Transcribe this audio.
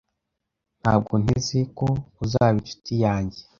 Ntabwo nteze ko uzaba inshuti yanjye.